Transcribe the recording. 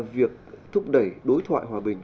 việc thúc đẩy đối thoại hòa bình